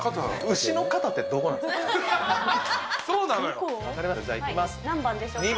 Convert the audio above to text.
牛の肩ってどこなんですか。